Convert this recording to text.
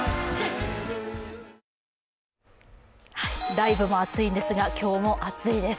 ライブも熱いんですが、今日も暑いです。